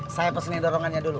saya pesennya dorongannya dulu